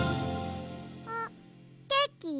あっケーキ？